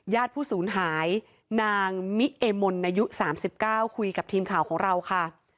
ผู้สูญหายนางมิเอมนอายุ๓๙คุยกับทีมข่าวของเราค่ะ